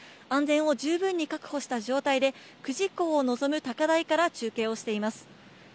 安全を十分に確保した状態で、久慈港を望む高台から中継をしています。